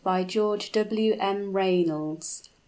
By GEORGE W. M. REYNOLDS.